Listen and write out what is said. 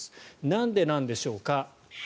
なんででしょうか。